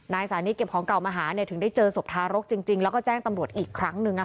สานิทเก็บของเก่ามาหาถึงได้เจอศพทารกจริงแล้วก็แจ้งตำรวจอีกครั้งหนึ่ง